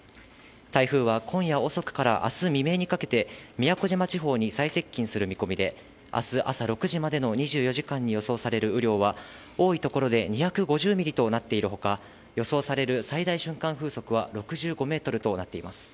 台風は今夜遅くからあす未明にかけて宮古島地方に最接近する見込みで、あす朝６時までの２４時間に予想される雨量は、多い所で２５０ミリとなっているほか、予想される最大瞬間風速は６５メートルとなっています。